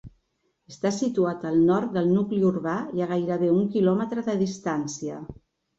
Està situat al nord del nucli urbà i a gairebé un kilòmetre de distància.